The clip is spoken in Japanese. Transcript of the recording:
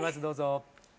どうぞ。